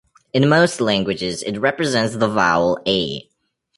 In most languages, it represents the vowel "a".